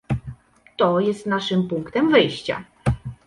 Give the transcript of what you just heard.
"To jest naszym punktem wyjścia."